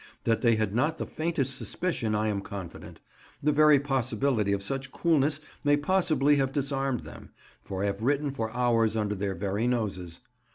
That they had not the faintest suspicion I am confident; the very possibility of such coolness may possibly have disarmed them, for I have written for hours under their very noses.